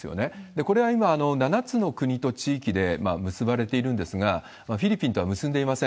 これは今、７つの国と地域で結ばれているんですが、フィリピンとは結んでいません。